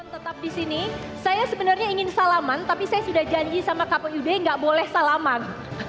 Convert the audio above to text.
tetap di sini saya sebenarnya ingin salaman tapi saya sudah janji sama kpud nggak boleh salaman